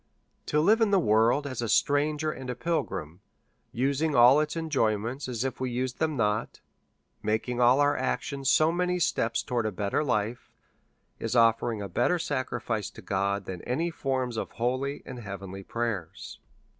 To hve in the world as a strang er and a pilg rim, using all its enjoy ments as if we used them not, making all our actions so many steps towards a better life, is offering a better sacri fice to God than any forms of holy and heavenly prayers.